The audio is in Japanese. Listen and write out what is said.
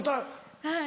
はい。